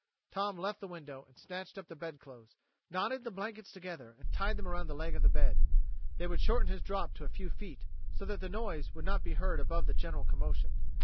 Tom left the window and snatched up the bedclothes, knotted the blankets together and tied them around the leg of the bed. They would shorten his drop to a few feet, so that the noise would not be heard above the general commotion.